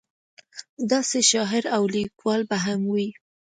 داسې شاعر او لیکوال به هم وي.